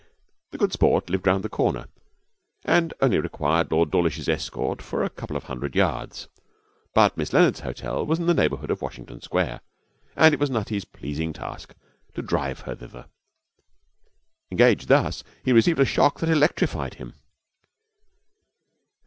The Good Sport lived round the corner, and only required Lord Dawlish's escort for a couple of hundred yards. But Miss Leonard's hotel was in the neighbourhood of Washington Square, and it was Nutty's pleasing task to drive her thither. Engaged thus, he received a shock that electrified him.